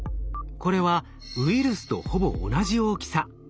これはウイルスとほぼ同じ大きさ。